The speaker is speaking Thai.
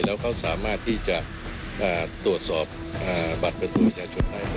แล้วเขาสามารถที่จะตรวจสอบบัตรเป็นผู้วิชาชนไทย